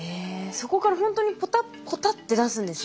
そこからほんとにポタポタって出すんですね。